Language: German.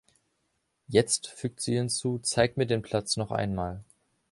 „Jetzt“, fügt sie hinzu, „zeig mir den Platz noch einmal!“